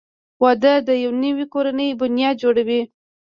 • واده د یوې نوې کورنۍ بنیاد جوړوي.